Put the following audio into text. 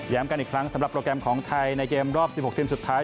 กันอีกครั้งสำหรับโปรแกรมของไทยในเกมรอบ๑๖ทีมสุดท้าย